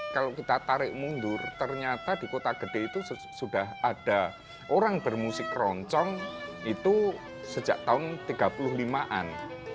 kalau kita tarik mundur ternyata di kota gede itu sudah ada orang bermusik roncong itu sejak tahun tiga puluh lima an